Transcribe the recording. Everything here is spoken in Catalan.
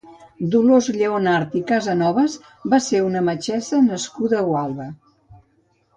Dolors Lleonart i Casanovas va ser una metgessa nascuda a Gualba.